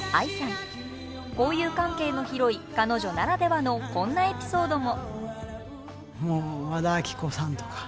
交友関係の広い彼女ならではのこんなエピソードも。